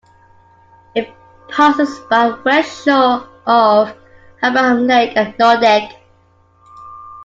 It passes by west shore of Abraham Lake and Nordegg.